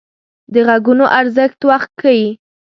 د غږونو ارزښت وخت ښيي